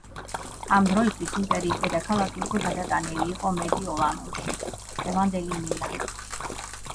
ამ დროისთვის იმპერიის დედაქალაქი უკვე გადატანილი იყო მედიოლანუმში, დღევანდელი მილანი.